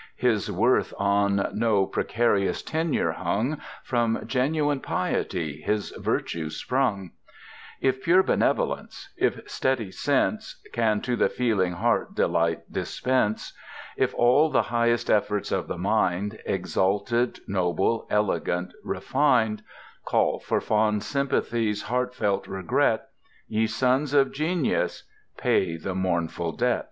His worth on no precarious tenure hung, From genuine piety his virtues sprung: If pure benevolence, if steady sense, Can to the feeling heart delight dispense; If all the highest efforts of the mind, Exalted, noble, elegant, refined, Call for fond sympathy's heartfelt regret, Ye sons of genius, pay the mournful debt!